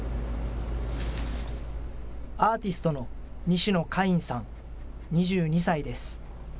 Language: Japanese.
アーティストの西野カインさん２２歳です。